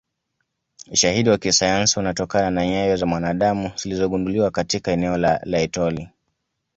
Ushahidi wa kisayansi unatokana na nyayo za mwanadamu zilizogunduliwa katika eneo la Laetoli